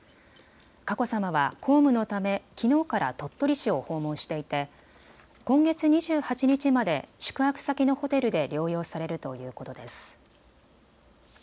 佳子さまは公務のためきのうから鳥取市を訪問していて今月２８日まで宿泊先のホテルで療養されるということです。